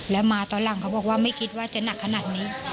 แล้วมาตอนหลังเขาบอกว่าไม่คิดว่าจะหนักขนาดนี้